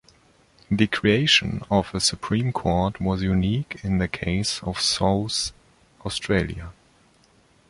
The creation of a Supreme Court was unique in the case of South Australia.